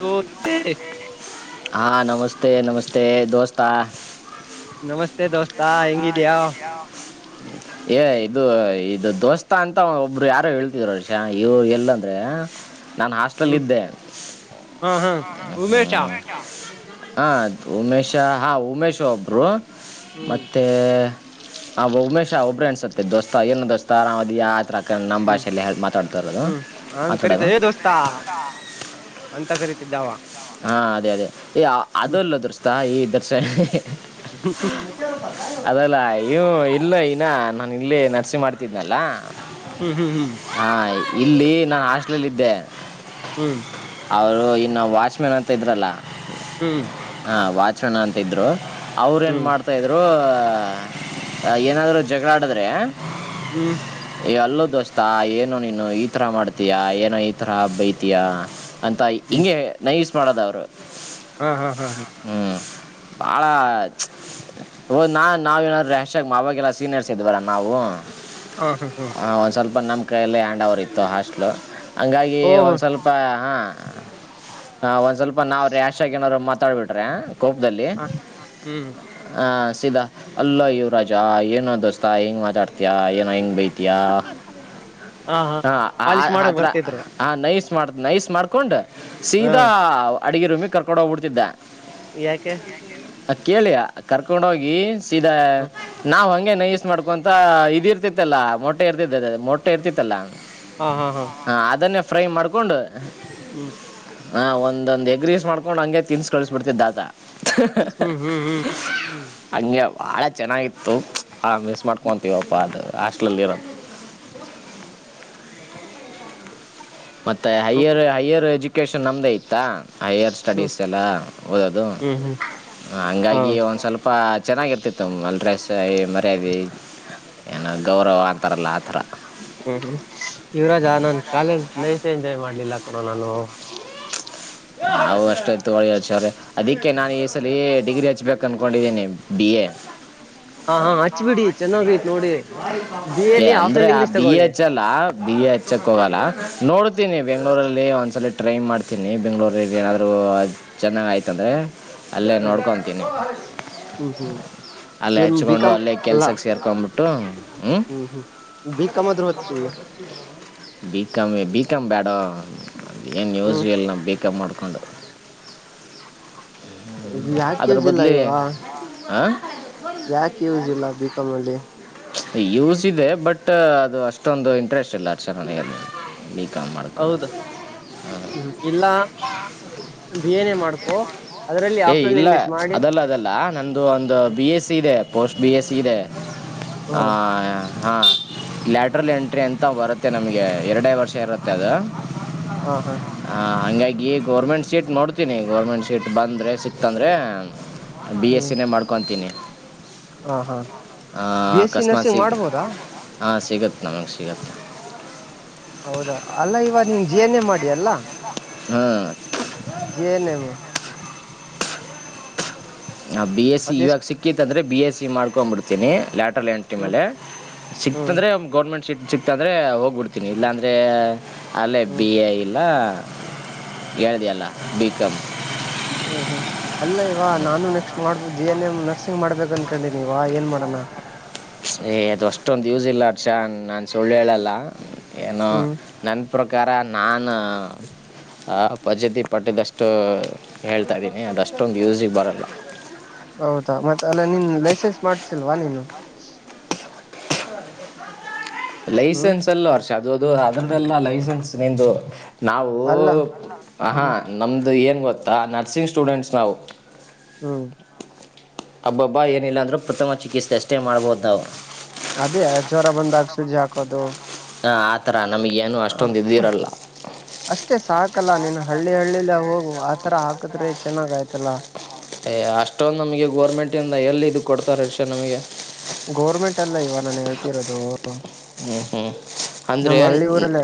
ಹ ಹಾ ನಮಸ್ತೆ ನಮಸ್ತೆ ಏ ದೋಸ್ತ ನಮಸ್ತೆ ದೋಸ್ತಾ ಹೆಂಗ [unintelligible] ಏ ಇದು ಇದು ದೋಸ್ತಾ ಅಂತ ಒಬ್ರು ಯಾರೋ ಹೇಳ್ತರೋ ರಷ ಇವರು ಎಲ್ಲಾಂದ್ರೆ ನಾನು ಹಾಸ್ಟೆಲ್ ಹ್ಮ್ ಇದ್ದೆ ಹಾ ಹಾ ಹ್ಮ ಉಮೇಶ ಹಾ ಅದು ಉಮೇಶ ಹಾ ಉಮೇಶ್ ಒಬ್ರು ಹ್ಮ್ ಮತ್ತೆ ಹ ಉಮೇಶ ಒಬ್ಬ್ರೇ ಅನ್ಸುತ್ತೆ ದೋಸ್ತ ಏನೋ ದೋಸ್ತ ಆರಾಮ್ ಅದಿಯಾ ಆತರಾ ಯಾಕ ನಮ್ಮ ಹ್ಮ್ ಭಾಷೆಯಲ್ಲಿ ಹೆಲ್ಪ್ ಮಾತಾಡ್ತಾ ಇರೋದು ಹ್ಮ್ ಅವನ್ ಕರಿತ ಮಾತಾಡೋದು ಏ ದೋಸ್ತಾ ಅಂತ ಕರಿತಿದ್ದಾ ಅವ ಹಾ ಅದೇ ಅದೇ ಈ ಅದಲ್ಲ ದೋಸ್ತ ಈ ಸರಿ ಅದ ಅಲ್ಲ ಇ ಇಲ್ಲ ಇನ ನಾನು ಇಲ್ಲಿ ನರ್ಸಿಂಗ್ ಮಾಡ್ತಿದ್ನಲ್ಲ. ಹ್ಮ್ ಹ್ಮ್ ಹಾ ಇಲ್ಲಿ ನಾನು ಹಾಸ್ಟ್ಲಲ್ ಇದ್ದೆ ಹ್ಮ್ ಅವ ನ ವಾಚ್ ಮೆನತ ಇದ್ರಲ್ಲಾ. ಹ್ಮ್ ಹ ವಾಚ್ಮನ್ ಅಂತಿದ್ರು. ಅವ್ರ ಏನ್ ಹ್ಮ್ ಮಾಡ್ತಾ ಇದ್ರು ಹ ಏನಾದ್ರು ಜಗಳ ಆಡಿದ್ರೆ ಹ್ಮ್ ತ್ತಾ ಏನು ನೀನು ಈ ತರ ಮಾಡ್ತಯಾ ಏನೋ ಈ ತರ ಬೈತಿಯಾ? ಅಂತ ಹ್ಮ್ ಹಿಂಗೆ ಯೂಸ್ ಮಾಡೋದ ಅವ್ರು. ಹಾ ಹಾ ಹಾ ಹಾ ಬಾಳ ಹೋದ್ ನಾ ನಾವ ಏನಾರಾ ರ್ಯಾಶ್ ಆಗಿ ಮಾವಾಗೆಲ್ಲ ಸೀನಿಯರ್ಸ್ ಇದ್ದ್ವಲ್ಲಾ ನಾವು ಹಾ ಹಾ ಹಾ ಹ ಒಂದ್ ಸ್ವಲ್ಪ ನಮ ಕೈಲೆ ಹ್ಯಾಂಡ್ ಅವರ್ ಇತ್ತು ಹಾಸ್ಟ್ಲು. ಹಂಗಾಗಿ ಓಹೋ ಒನ್ ಸ್ವಲ್ಪ ಹಾ ಹ ಒಂದ್ ಸ್ವಲ್ಪ ನಾವ್ ರ್ಯಾಷ್ ಆಗ ಏನ್ರು ಮತ್ತೆ ತಳ್ಬ ಬಿಟ್ರೆ ಕೋಪ್ದಲ್ಲಿ ಹ ಹ್ಮ್ ಿದ ಅಲ್ಲೋ ಇವರಾಜ ಏನೋ ದೋಸ್ತಾ ಹಿಂಗ್ ಮಾತಾಡ್ತಿಯಾ ಹೆಂಗ ಬೈತಿಯ ಹಾ ಹ ಪಾಲಿಶ್ ಮಾಡಕ್ ಆತ್ರ ಬರ್ತಿದ್ರು ನೈ ಮಾಡ ನೈಸ್ ಮಾಡ್ಕೊಂಡ್ ಹ ಸೀದಾ ಅಡಗೆ ರೂಮಿ ಕರ್ಕೊಂಡ ಹೋಗ್ಬಿಡ್ತಿದ್ದೆ ಯಾಕೆ ಕೇಳಿಯ ಕರ್ಕೊಂಡೋಗಿ ಸೀದಾ ಹ ನಾವ್ ಹಂಗೆ ನೈಸ್ ಮಾಡ್ಕೊಂತ ಇದ ಇರ್ತಿತ್ತಲ್ಲಾ ಮೊಟ್ಟೆ ಇರ್ತಿದ್ದ ಅ ಮೊಟ್ಟೆ ಇರ್ತಿತ್ತಲ್ಲಾ ಹಾ ಹಾ ಹಾ ಹ ಅದನ್ನೇ ಫ್ರೈ ಮಾಡ್ಕ ಹೊಂಡ ಹ್ಮ್ ಹಾ ಒಂದ್ ಎಗ್ರೀಸ್ ಮಾಡ್ಕೊಂಡ್ ಹಂಗೆ ತಿನ್ಸ್ ಕಳಿಸ್ಿಡ್ತಿದ್ದ ದಾದಾ ಹ್ಮ್ ಹ್ಮ್ ಹ್ಮ್ ಹ್ಮ್ ಹ್ಮ್ ಬಹಳ ಚೆನ್ನಾಗಿತ್ತು ಆ ಮಿಸ್ ಹ್ಮ್ ಮಾಡ್ಕೊಂತೀವಪ್ಪಾ ಅದು ಆಾಸ್ಷ್ಟಟ್ಲಲ್ಲಿರ ಮತ್ತುತ್ತ ಹ್ಮ್ ಹೈಯರ್ ಹ್ಮ್ ಹೈಯರ್ ಎಜುಕಷನ್ ನಮ್ಮದೇ ಇತ್ತ ಹೈಯರ್ ಸ್ಟಡೀಸ್ ಎಲ್ಲ ಓದೋದು ಹ್ಮ್ ಹ್ಮ್ ಹಾ ಹಂಗಾಗಿ ಒಂದು ಸ್ವಲ್ಪ ಚೆನ್ನಾಗಿರ್ತಿತ್ತು ಅಲ್ಲರೆ ಸಹ ಮರ್ಯಾದೆ ಏನೋ ಗೌರವ ಅಂತಾರಲ್ಲ ಆ ಥರ ಹ್ಮ ಹ್ಮ್ ಇವರಾಜ್ ಆನಂತ ಕಾಲೇಜ್ ಲೈಫ್ ಎಂಜಾಯ್ ಮಾಡ್ಲಿಲ್ಲ ಕೊರ ನಾನು ಹ ಅಷ್ಟಾಯತು ಒಳಿಡ್ ಸ ಅದಕ್ಕೆ ನಾನು ಈ ಸಲ ಡಿಗ್ರಿ ಹಚ್ಬೇಕು ಅನ್ಕೊಂಡಿದ್ದೀನಿ ಬಿ ಎ ಹಾ ಹಾ ಹಚ್ಬಿಡಿ ಚೆನ್ನಾಗೈತ್ ನೋಡಿ ಬಿ ಏ ಎಲ್ಲಿ ಅಂದ್ರೆ ಆಫ್ನಲ್ಲಿ ಇಂಗ್ಲಿಷ್ ಬಿ ತಗೊಳ್ಳಿ ಹೆಚ್ ಅಲ್ಲ ಬಿ ಎ ಹೆಚ್ಕ್ ಹೋಗಲ್ಲ ನೋಡ್ತೀನಿ ಬೆಂಗ್ಗಳೂರಲ್ಲಿ ಒಂದ್ಸಲ ಟ್ರೈನ್ ಮಾಡ್ತ ಇನ್ನಿ ಬೆಂಗಳೂರು ನಾದ್ರು ಚೆನ್ನಾಗ್ ಆಯ್ತಂದ್ರೆ ಅಲ್ಲೇ ಹ್ಮ್ ನೋಡ್ಕೊಂತೀನಿ ಹ್ಮ್ ಹ್ಮ್ ಅಲ್ಲೇ ಏನ್ ಹಚ್ಕೊಂಡು ಬಿಕಾಮ್ ಅಲ್ಲೇ ಅಲ್ಲ ಕೆಲ್ಸಕ್ ಸೇರ್ಕೊಂಡ್ಬಿಟ್ಟು ಟ ಹ್ಮ ಹ್ಮ್ ಹ್ಮ್ ಬಿಕಾಮ್ ಆದ್ರೂ ಓದ್ರಿ ಬಿಕಾಮ ಬಿಕಮ್ ಬೇಡ ಅ ಏನ್ಯೂಸ್ ಹ್ಮ್ ಎಲ್ಲ ನ ಬೇಕು ಿಕಪ್ ಮಾಡ್ಕೊಂಡು ಅದ್ರ ಯಾಕೆದಿಲ್ಲ ಬದಲಿ ಇವ ಹಾಂ ಯಾಕೆ ಯೂಸ್ ಇಲ್ಲ ಬಿಕಾಂಲ್ಲಿ ಯೂಸ್ ಇದೆ ಬಟ್ ಅದು ಅಷ್ಟೊಂದು ಇಂಟ್ರೆಸ್ಟ್ ಇಲ್ಲ ಅರ್ಸರ್ ಮನ ಹೌದ ಹ್ಮ ಇಲ್ಲ ಬೇನೆೇ ಮಾಡ್ ಹ ಏ ಇಲ್ಲ ಅದಲ್ಲ ಅದಲ್ಲ ನ್ದ ಒಂದು ಬಿ ಎಸ್ ಸಿ ಇದೆ ಪೋಸ್ಟ್ ಬಿ ಎಸ್ ಸಿ ಇದೆ ಹ್ಮ ಆ ಹ ಲಾಟ್ರಲ್ ಎಂಟ್ರಿ ಅಂತ ಬರುತ್ತೆ ನಮಗೆ ಎರಡೇ ವರ್ಷ ಇರುತ್ತೆ ಅದು ಹಾ ಹಾ ಈ ಗೌರ್ಮೆಂಟ್ ಸೀಟ್ ನೋಡ್ತೀಿ ಗರ್ಮೆಂಟ್ ಸೀಟ್ ಬಂದ್ರೆ ಸಿಕ್ತಂದ್ರೆ ಹ್ಮ್ ಹಾ ಹಾ ಆ, ಬಿ ಎಸ್ಸ ಅಕಸ್ಮಾತ್ ನರ್ಸಿಂಗ್ ಸಿಗ್ ಮಾಡ್ಬೋದಾ ಹಾಂ ಸಿಗುತ್ತೆ ನಮಗೆ ಸಿಗುತ್ತೆ ಹೌದಾ ಅಲ್ಲ ಇವ ನೀನ್ ಜಿ ಎನ್ ಎ ಮಾಡಿ ಅಲ್ಲಾ ಹ್ಮ ಜಏನಮ ಬಿ ಎಸ್ ಸಿ ಇವಾಗ ಅದೆಷ್ಟು ಸಿಕ್ಕಿತ್ ಅಂದೆ ಬಿ ಎಸ್ ಸಿ ಮಾಡ್ಕೊಂಡಬ ಬಿಡ್ತನಿ ಲಾಟ ಟ ಹ್ಮ್ ಮೇಲೆ ಹ್ಮ್ ಸಿಕ್ತಂದ್ರೆ ಗೌರ್ಮೆಂಟ್ ಶೀಟ್ ಸಿಕ್ತಂದ್ರೆ ಹೋಗ್ಬಿಡ್ತೀನಿ ಇಲ್ಲಾಂದ್ರೆ ಅಲ್ಲೇ ಹ್ಮ್ ಬಿ ಎ ಇಲ್ಲ ಹೇಳ್ದಿಯಲ್ಲ ಬಿಕಂ ಹ್ಮ್ ಹ್ಮ್ ಅಲ್ಲ ಇವ ನಾನು ನೆಕ್ಸ್ಟ್ ಮಾಡ್ಬ ಜಿ ಎನ್ ಎಮ್ ನರ್ಸಿಂಗ್ ಮಾಡ್ಬೇಕ ಅನ್ಕೊಂಡೀನಿ ಇವ ಏನ್ ಮಾಡಣ ಏ ಅದು ಅಷ್ಟೊಂದು್ ಯೂಸ್ ಇಲ್ಲ ಅರ್ಷಾನ್ ನಾನ್ ಸುಳ್ಳು ಹೇಳಲ್ಲ ಏನೋ ಹ್ಮ್ ನನ್ನ ಅ ಪ್ರಕಾರ ನಾನು ಪ್ಧಿತಿ ಪಟ್ಟಿದಷ್ಟು ಹೇಳ್ತಾಯ್ದೀನಿ ಅದಷ್ಟೊಂದು ಯೂಸಿಗೆ ಬರಲ್ಲ ಹೌದಾ ಮತ್ತೆ ಅಲ್ಲ ನಿನ್ ಲೈಸೆನ್ಸ್ ಮಾಡ್ಸಲ್ವಾ ನೀನು [inaudible] ಹ್ಮ್ ಲೈಸೆನ್ಸ್ ಅಲ್ಲ ಅರ್ಷ ಅದು ಅದು ಅದನ್ನಲ್ಲ ಲೈಸೆನ್ಸ್ ನಿಂದು ನಾವು ಅಲ್ಲ ಹಹಾ ಹ್ಮ್ ನಮ್ದು ಏನು ಗತ್ತಾ ನರ್ಸಿಂಗ್ ಸ್ಟೂಡೆಂಟ್ಸ್ ನಾವು ಹ್ಮ್ ಅಬ್ಬಬ್ಬಾ ಏನಿಲ್ಲಾಂದ್ರೂ ಪ್ರಥಮ ಚಿಕಿತ್ಸೆೆಯಷ್ಟೇ ಮಾಡ್ಬಹದ ನಾವು ಅದೇ ಜ್ವರ ಬಂದಾಗಸುಜಿ ಹಾಕೋದು ಹಾ ಆತರ ನಮಗ ಏನು ಹ ಅಷ್ಟೊಂದ ಇದಿರಲ್ಲ ಹಕಲ್ಲ ನೀನು ಹಳ್ಳಿ ಹಳ್ಳಿಲಿ ಹೋಗು ಆತರ ಹಾಕದ್ರೆ ಚೆನ್ನಾಗ ಆಯ್ತಲ್ಲಾ ಅಷ್ಟೊಂದು ನಮ್ಗೆ ಗೋರ್ಮೆಂಟ್ ಇಂದ ಎಲ್ಲಿ ಇದ ಕೊಡ್ತಾರೆ ರಕ್ಷಾ ನಮಗೆ ಗೌರ್ಮೆಂಟ್ ಅಲ್ಲ ಇವ ನಾನು ಹೇಳ್ತಿರೋದು ಹ್ಮ್ ಹ್ಮ್ ಅಂದ್ರೆ ನಮ್ ಹಳ್ಳಿ ಊರಲ್ಲೇ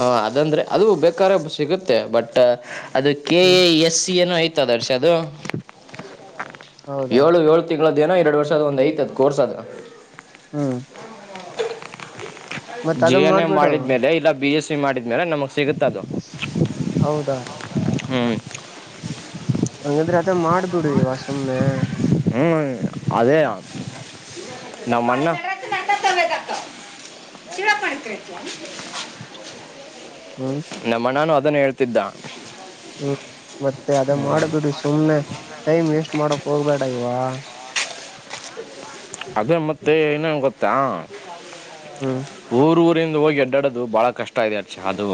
ಹ ಅದಂದ್ರೆ ಅದು ಬೇಕಾದ ಸಿಗುತ್ತೆ ಬಟ್ ಅದು K hmm A S C ಏನ್ನು ಐ ದರ್ಶ ಅದು ಹೌದಾ ಏಳು ಏಳ ತಿ ೇನೋ ಎರಡು ವರ್ಷದ ಒ್ ಐತದ ಕೋರ್ಸ್ ಆದದು ಹ್ಮ್ ಹ್ಮ ಮತ್ತ ಜಿ ಅದ ಎನ್ ಎ ಮಾಡ್ಬಿಡು ಮಾಡಿದ ಮೇಲೆ ಇಲ್ಲ ಬಿ ಎಸ್ ಮಾಡಿದೇಲೆ ನಮಸ್ ಸಿಗುತ್ತದು ಹೌದಾ ಹ್ಮ ಹಂಗಂದ್ರೆ ಅದ ಮಾಡ್ಬಿಡುವ ಸುಮನೆ ಹ್ಮ್ ಅದೆ ನಾ ಮಣ್ಣ ಹ್ಮ್ ನಮ್ಮನಾನದು ಅದನ್ನ ಹೇಳ್ತಿದ್ದ ಹ್ಮ್ ಮತ್ತೆ ಅದ ಮಾಡ್ಬ ಬಿಡ ಸುಮ್ನೆ ಟೈಮ್ ವೇಸ್ಟ್ ಮಾಡಕ್ ಹೋಗ್ಬೇಡ ವಾ ಅದೇ ಮತ್ತೆ ಇನೇನ್ ಗೊತ್ತಾ ಹ್ಮ್ ಹ ರಿಂದ ಹೋಗಿ ಅಡ್ಡಾಡದು ಬಹಳ ಕಷ್ಟ ಇದೆ ಅಚ ಅದು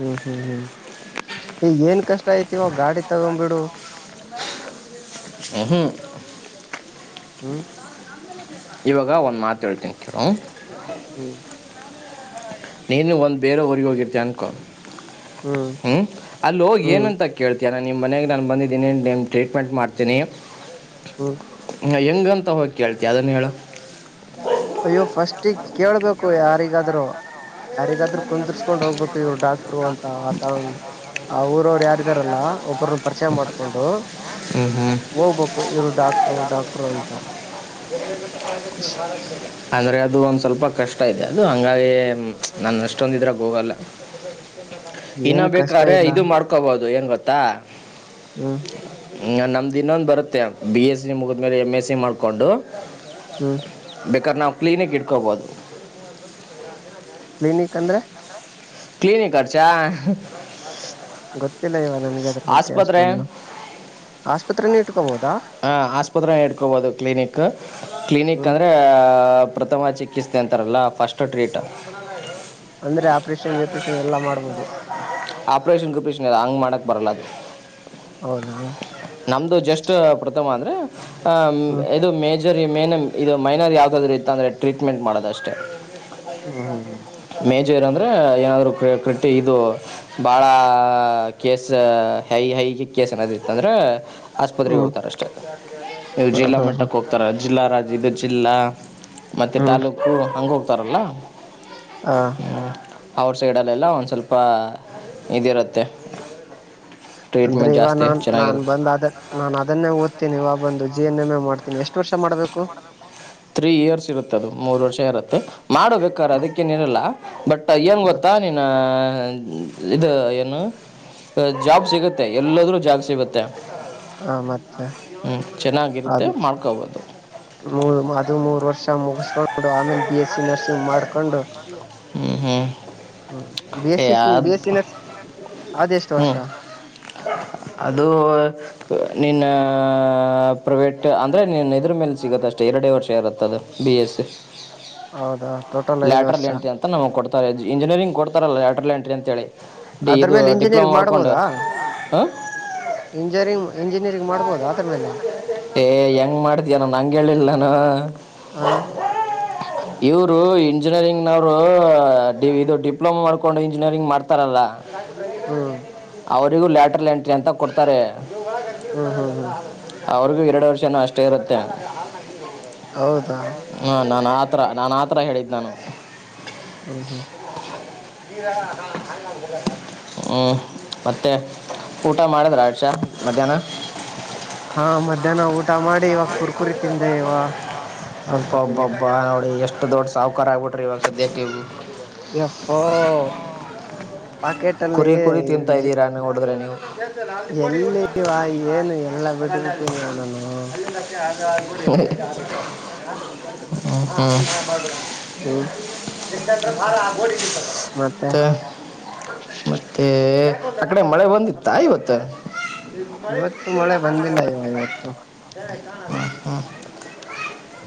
ಹ್ಮ್ ಹ್ಮ್ ಹ್ಮ್ ಈ ಏನ್ ಕಷ್ಟ ಐತಿ ಇವ ಗಾಡಿ ತಗೊಂಡ್ಬಿಡು ಹ್ಮೂ ಹ್ಮ್ ಇವಾಗ ಒಂದ್ ಮಾತ್ ಹೇಳ್ತನ್ ಕೇಳ [inaudible] ಹ್ಮ್ ನೀನು ಒಂದ್ ಬೇರೆವರಿಗೆ ಹೋಗಿರ್ತಿ ಅನ್ಕೋ ಹ್ಮ್ ಅಲ್ಲಿ ಹೋಗಿ ಹ್ಮ್ ಏನಂತ ಕೇಳ್ತಯ ನನ್ ನಿಮ್ಮ ಮನೆಗೆ ನಾನು ಬಂದಿದ್ದೀನಿ ನಿಮ್ಮ ಟ್ರೀಟ್ಮೆಂಟ್ ಮಾಡ್ತೀನಿ ಹ್ಮ್ ಹ ಹೆಂಗಂತ ಹೋಗ ಕೇಳ್ತ ಯಾವ್ದನ್ನ ಹೇಳ ಅಯ್ಯೋ ಫಸ್ಟಿಗೆಗ್ ಕೇಳ್ಬೇಕು ಯಾರಿಗಾದ್ರು ಯಾರಿಗಾದ್ರೂ ಹ್ಮ್ ಕುಂದರ್ಸ್ಕೊಂಡ್ ಹೋಗ್ಬೇಕು ಇವ್ರು ಡಾಕ್ಟ್ರು ಅಂತ ಆತ ಆ ಊರವ್ರು ಯಾರಿದಾರಲ್ಲ ಒಬ್ಬರನ್ನ ಪರಿಚಯ ಮಾಡ್ಕೊಂಡು ಹೋಗ್ಬೇಕು ಇವ್ರು ಡಾಕ್ಟ್ರು ಡಾಕ್ಟ್ರು ಅಂತ ಹ್ಮ್ ಅಂದರೆ ಅದು ಒಂದು ಸ್ವಲ್ಪ ಕಷ್ಟ ಇದೆ ಅದು ಹಂಗಾಗಿ ನಾನ ಅಷ್ಟೊಂದಿದ್ರೆ ಹೋಗಲ್ಲ ಇನ್ನ ಏನ್ ಕಷ್ಟ ಬೇಕಾದ್ರೆ ಇಲ್ಲ ಇದು ಮಾಡ್ಕೋಬಹದು ದಏನ್ ಗತ್ತಾ ಹ್ಮ್ ಹ ನಮ್ದು ಇನ್ನೊಂದು ಬರುತ್ತೆ ಬಿ ಎಸ್ ಸಿ ಮುಗಿದ್ಮೇಲೆ ಎಮ್ ಎಸ್ ಸಿ ಮಾಡ್ಕೊಂಡು ಹ್ಮ್ ಬೇಕಾದ್ರೆ ನಾವು ಕ್ಲೀನಿಕ್ಕ ಇಟ್ಕೊಬೋದು ಕ್ಲಿನಿಕ್ ಅಂದ್ರೆ ಕ್ಲಿನಿಕ್ ಚಾ ಗತ್ತ ಆಸ್ಪತ್ರೆ ಆಸ್ಪತ್ರೆನ ಇಟ್ಕೋಬೋದಾ ಹ ಆಸ್ಪತ್ರೆ ಇಡ್ಕೋಬಹದು ಕ್ಲಿನಿಕ್. ಕ್ಲಿನಿಕ್ ಹ್ಮ್ ಅಂದ್ರೆ ಪ್ರಥಮ ಚಿಕಿತ್ಸೆ ಅಂತಾರಲ್ಲ ಫಸ್ಟ್ ಟ್ರೀಟ್ ಅಂದ್ರೆ ಆಪರೇಷನ್ ಗಿಪರೇಷನ್ ಎಲ್ಲಾ ಮಾಡ್ಬೋದು ಆಪರೇಷನ್ ಗಪಷನ್ ಹಂಗ್ ಮಾಡಕ್ ಬರಲದು. ಹೌದಾ ನಮ್ದು ಜಸ್ಟ್ ಪ್ರಥಮ ಅಂತ ಅ ಹ್ಮ್ ಹ ಇದು ಮೇಜ ಜ ಮೇನ ಇದು ಮೈನರ್ ಯಾವ್ದಾದ್ರೂ ಇತ್ತ ಅಂದರೆ ಟ್ರೀಟ್ಮೆಂಟ್ ಮಾಡೋದಷ್ಟೇ ಮೇಜರ್ ಅಂದ್ರೆ ಏನಾದ್ರು ಕಟ್ಟಿ ಇದು ಬಹಳ ಕೇಸ್ ಹೈ ಹೈಗೆ ಕೇಸ್ ಏನ ಇ ಅಂದ್ರೆ ಹ ಆಸ್ಪತ್ರೆಗೆ ಹ್ಮ್ ಹೋಗ್ತಾರೆ ಅಷ್ಟೇ ಇವು ಹಾ ಜಿಲ್ಲಾ ಹಾ ಹಾ ಮಟ್ಟಕ್ಕೆ ಹೋಗ್ತಾರೆ. ಜಿಲ್ಲ ರಾಜ್ಯದ ಜಿಲ್ಲ ಮತ್ತೆ ತಾಲೂಕು ಹಂಗ ಹೋಗ್ತಾರಲ್ಲ ಹಾ ಅವ್ರ ಸೈಡಲ್ಲೆಲ್ಲ ಒಂದು ಸ್ವಲ್ಪ ಇದಿರುತ್ತೆ ಅಂದ್ರೆ ಟ್ರೀಟ್ಮೆಂಟ್ ಇವ ಜಾಸ್ತಿ ನಾನ್ ನಾನ್ ಚೆನ್ನಾಗಿರುತ್ತೆ ಬಂದ ಅ ನಾನ್ ಅದನ್ನೇ ಓದ್ತೀನಿವ ಬಂದು ಜಿ ಎನ್ ಎಂ ಎಂ ಮಾಡ್ತೀನಿ. ಎಷ್ಟು ವರ್ಷ ಮಾಡ್ಬೇಕು? ತ್ರೀ ಇಯರ್ಸ್ ಇರುತ್ತ ಅದು. ಮೂರು ವರ್ಷ ಇರುತ್ತೆ. ಮಾಡಬೇಕ್ರ ಅದಕ್ಕೇನ ಇರಲ್ಲ. ಬಟ್ ಏನು ಹ ಗೊತ್ತಾ ನೀನು ಇದು ಏನು ಜಾಬ್ ಸಿಗುತ್ತೆ. ಎಲ್ಲಾದ್ರೂ ಜಾಬ್ ಸಿಗುತ್ತೆ. ಹ ಮತ್ತೆ ಹ್ಞೂ ಚೆನ್ನಾಗಿರುತ್ತೆ ಅದು ಮಾಡ್ಕೋಬೋದು ಇದು ಮೂರ್ ವರ್ಷ ಮುಗಿಸಕೊಂಡು ಆಮೇಲೆ ಬಿ ಎಸ್ ಸಿ ನರ್ಸಿಂಗ್ ಮಾಡ್ಕೊಂಡು ಹ್ಮ್ ಹ್ಮ್ ಹ್ಮ್ B S C B S C nursing ಅದೆಷ್ಟು ವರ್ಷ ಹ್ಮ್ ಅದು ನಿನ್ನ ಪ್ರೈವೇಟ್ ಅಂದರೆ ನಿನ್ನ ಇದ್ರ ಮೇಲೆ ಸಿಗುತ್ತೆಷ್ಟೆ ಎರಡೇ ವರ್ಷ ಇರುತ್ತೆ ಅದು ಬಿ ಎಸ್ ಸಿ ಹೌದಾ ಟೋಟಲ್ ಐದು ಾಟರ್ ವರ್ಷ ಲೆಂಟ ಅಂತ ನಮ್ಗೆ ಕೊಡ್ತಾರೆ ಇಂಜಿನಿಯರಿಂಗ್ ಕೊಡ್ತಾರೆಲ್ಲಯಟರ್ ಲೆಂಟ ಅಂಥ್ತಳಿ ಅದ್ರ ಮೇಲೆ ಇಂಜಿನಿಯರಿಂಗ್ ಮಾಡ್ಬೋದಾ ಹಾಂ ಇಂಜಿನಿಯರಿಂಗ್ ಇಂಜಿನಿಯರಿಂಗ್ ಮಾಡ್ಬೋದಾ ಅದ್ರ ಮೇಲೆ ಏ ಹೆಂಗ್ ಮಾಡಿದ್ಯಾನ ನಂಗೆ ಹೇಳಿಲ್ಲಾನ ಹ ಇವರು ಇಂಜಿನಿಯರಿಂಗ್ನವ್ರು ಇದು ಡಿಪ್ಲೊಮಾ ಮಾಡ್ಕೊಂಡು ಇಂಜಿನಿಯರಿಂಗ್ ಮಾಡ್ತಾರಲ್ಲ ಹ್ಮ ಅವರಿಗೂ ಲ್ಾಟರ್ಲ್ ಎಂಟ್ರಿ ಅಂತ ಕೊಡ್ತಾರೆ ಇವ ಒಳಗೆಖರ್ಚಿರ್ ಹ್ಮ್ ಹ್ಮ್ ಪಡಲ್ಲ ಹ್ಮ್ ಅವ್ರಿಗೂ ಎರಡು ವರ್ಷನೂ ಅಷ್ಟೇ ಇರುತ್ತೆ ಹೌದಾ ಹ್ಮ ನಾನಾತ್ ಆ ಥರ ನಾನು ಆ ಥರ ಹೇಳಿದ್ದು ನಾನು ಹ್ಮ ಹಾ ಹ್ಮ್ ಮತ್ತೆ ಊಟ ಮಾಡಿದ್ರ ಆಡ್ಷ ಮಧ್ಯಾಹ್ನ ಹಾ ಮಧ್ಯಾಹ್ನ ಊಟ ಮಾಡಿ ಇವಾಗ ಕುರ್ಕುರಿ ತಿಂದೆ ಇವ ಸ್ವಲ್ಪೊತ್ತಿಗೆ ಅಬ್ಬಬ್ಬಬ್ಬ ನೋಡಿ ಎಷ್ಟು ದೊಡ್ ಸಹಕಾರ ಆಗ್ಬ ಎಪ್ಪೋ ಕುರಿ ಕುರಿ ತಿಂತಾ ಇದ್ದೀರಾ ನೋಡಿದ್ರೆ ನೀವು ಎಲ್ಲಿವಾ ಏನು ಎಲ್ಲಾ ಬಿಟ್ಟು ಬಿಟ್ಟಿನಿವ ನಾನು ಹ್ಮ [unintelligible] ಹ್ಮ ಎ ಭಾರ ಆಗ್ಬೋಡಿ ಮತ್ತೆ ಆ ಕಡೆ ಮಳೆ ಬಂದಿತ್ತಾ ಇವತ್ತು ಇವತ್ತು ಈಲ್ಲ ಮಳೆ ಹ ಬಂದಿಲ್ಲ ಇವ ಇವತ್ತು ಹ್ಮ ಹ್ಮ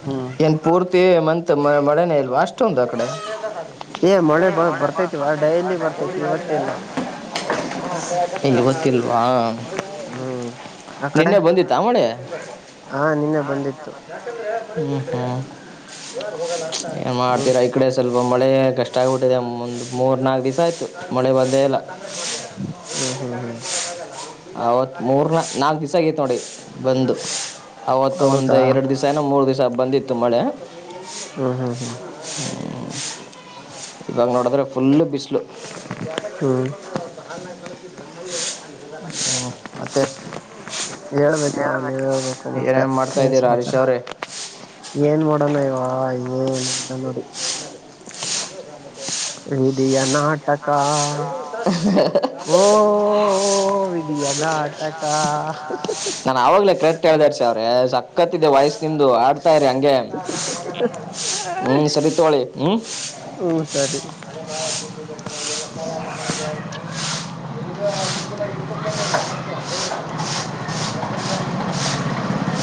ಹ್ಮ್ ಎಏನ್ಪುರ್ ಪ ಮತ್ ಮಳೆ ಇಲ್ವಾ ಅಷ್ಟ ಇಷ್ಟ ಅ ಕಡೆ ಏ ಮಳೆ ತ್ತಲ್ಲ ಇಗೆ ಗತ್ತಿಲ್ವಾ ಆ ಕಡೆ ನಿನ್ನೆ ಬಂದಿ ತಾಮಣೆ ಹಾ ನಿನ್ನೆ ಬಂದಿತ್ತು ಇಕ ಏನ್ ಹ್ಮ್ ಮಾಡ್ತೀರಾ ಈ ಕಡೆ ಸಲ ಸ್ವಲ್ಪ ಮಳೆ ಕಷ್ಟ ಆಗಿಬಿಟ್ಟಿದೆ ಒಂದು ಮೂರ್ ನಾಲ್ಕು ದಿವಸ ಆಯ್ತು ಮಳೆ ಬಂದೇ ಇಲ್ಲ ಹ್ಮ್ ಹ್ಮ್ ಹ್ಮ್ ಅವತ್ತು ಮೂರನ ನಾಲ್ಕು ದಿವ್ ಆಗೈತ್ತು ನೋಡಿ ಬಂದು ಅವತ್ತು ಒಂದ ಹೌದಾ ಎರಡು ದಿವ್ಸ ಯೆನೊ ಮೂರ್ ದಿವಸ ಸಹ ಬಂದಿತ್ತು ಮಳೆ ಹ್ಮ ಹ್ಮ್ ಹ್ಮ್ ಹ ಇವಾಗ ನೋಡಿದ್ರೆ ಫುಲ್ಲು ಬಿಸಿಲು ಹ್ಮ್ ಆ ಕಿ ನ ಹ ಅತ ಹೇಳ್ಬೇಕ ಯಾವ ನೀವ್ ಹೇಳ್ಬೇಕು ಮತ್ತೆ ಮಾಡ್ತಾ ಏನ್ ಇದ್ದೀರಾ ಹರೀಶ್ ಸಮಾಚಾರ ಅವರೇ ಏನ್ ನಡ ನಯ್ವಾ ಏನು ಇಲ್ಲ ನೋಡಿ ಹಿಡಿಯ ನಾಟಕ ಹ ಓ ವಿದೀ ಯ ನಾಟಕಾ ಸಕ್ಕತ್ತ ಇದೆ ವಯಸ್ ತಿಂದು ಆಡ್ತಾ ಇರಿ ಹಂಗೆ ಹ್ಮ್ ಸರಿ ತೋಳಿ ಹ್ಮ್ ಹ್ಮ್ ಸರಿ